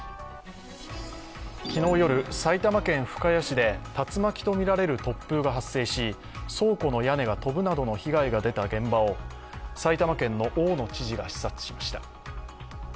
昨日夜、埼玉県深谷市で竜巻とみられる突風が発生し、倉庫の屋根が飛ぶなどの被害が出た現場を埼玉県の大野知事が視察しました。